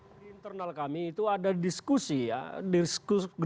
di internal kami itu ada diskusi ya